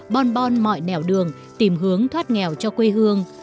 bon bon mọi nẻo đường tìm hướng thoát nghèo cho quê hương